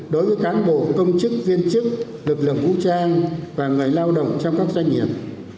đối với cán bộ công chức viên chức lực lượng vũ trang và người lao động trong các doanh nghiệp